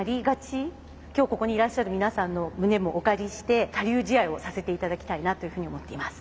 今日ここにいらっしゃる皆さんの胸もお借りして他流試合をさせていただきたいなというふうに思っています。